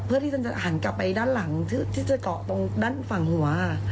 เพื่อที่จะหันกลับไปด้านหลังที่จะเกาะตรงด้านฝั่งหัว